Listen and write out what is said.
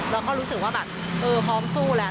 แล้วก็รู้สึกว่าแบบเออพร้อมสู้แล้ว